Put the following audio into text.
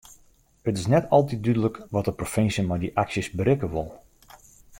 It is net altyd dúdlik wat de provinsje met dy aksjes berikke wol.